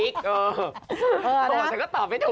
ข้ามห้วยข้ามวิกเออ